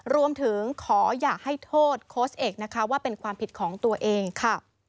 รวมถึงขออย่าให้โทษโค้ชเอกนะคะว่าเป็นความผิดของตัวเองค่ะ